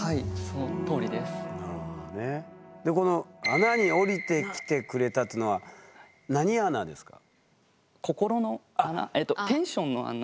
「穴に下りてきてくれた」っていうのは何穴ですか？